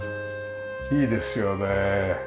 いいですよね。